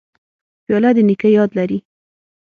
پیاله د نیکه یاد لري.